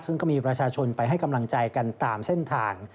ซึ่งก็มีประชาชนไปให้กำลังใจกันตามเส้นทาง